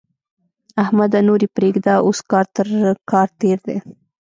احمده! نور يې پرېږده؛ اوس کار تر کار تېر دی.